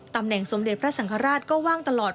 ตำแหน่งสมเด็จพระสังฆราชก็ว่างตลอด